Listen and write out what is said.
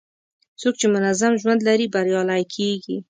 څوک چې منظم ژوند لري، بریالی کېږي.